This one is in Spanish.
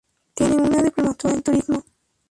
Tiene una diplomatura en Turismo.